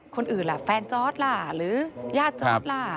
คนอื่นล่ะแฟนจอร์ดล่ะหรือญาติจอร์ดล่ะ